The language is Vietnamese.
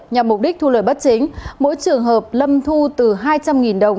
nhằm mục đích thu lời bất chính mỗi trường hợp lâm thu từ hai trăm linh đồng